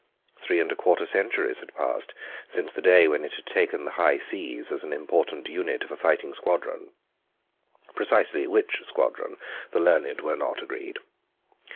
Three and a quarter centuries had passed since the day when it had taken the high seas as an important unit of a fighting squadron—precisely which squadron the learned were not agreed.